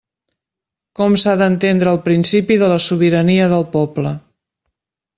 Com s'ha d'entendre el principi de la sobirania del poble.